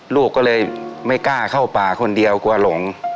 ลูกก็เลยไม่กล้าเข้าป่าคนเดียวกลัวหลง